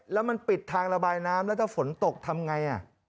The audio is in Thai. แล้วมันปิดทางระบายน้ำแล้วถ้าฝนตกทำไง